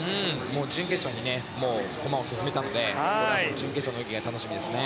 準決勝に駒を進めたので決勝の泳ぎが楽しみですね。